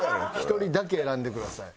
１人だけ選んでください。